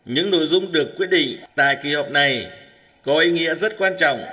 những nội dung được quyết định tại kỳ họp này có ý nghĩa rất quan trọng